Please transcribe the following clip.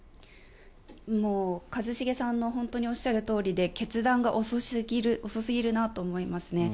もう一茂さんのおっしゃるとおりで決断が遅すぎるなと思いますね。